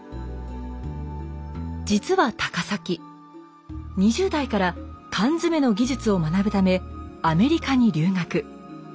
実は高碕２０代から缶詰の技術を学ぶためアメリカに留学。